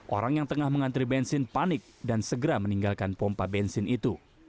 orang yang tengah mengantri bensin panik dan segera meninggalkan pompa bensin itu